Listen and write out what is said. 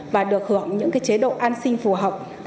và được hưởng những chế độ an sinh phù hợp